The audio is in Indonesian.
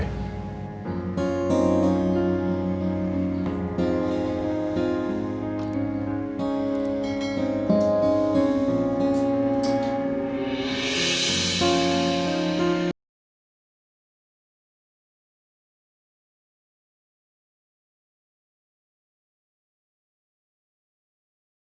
istri dia aja nih